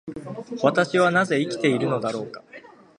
私はなぜ生きているのだろうか。